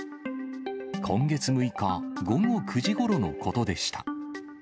今月６日午後９時ごろのことでした。